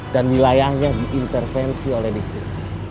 dan wilayahnya diintervensi oleh dik dik